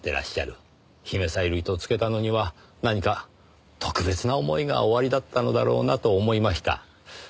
姫小百合とつけたのには何か特別な思いがおありだったのだろうなと思いました。